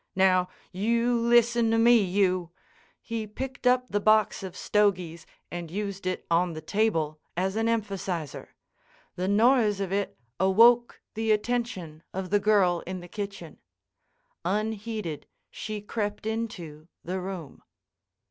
Now, you listen to me, you—" He picked up the box of stogies and used it on the table as an emphasizer. The noise of it awoke the attention of the girl in the kitchen. Unheeded, she crept into the room.